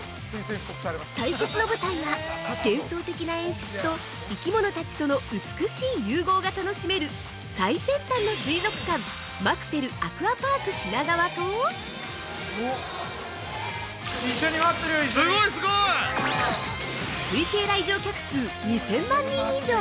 対決の舞台は幻想的な演出と生き物たちとの美しい融合が楽しめる最先端の水族館「マクセルアクアパーク品川」と累計来場者数２０００万人以上。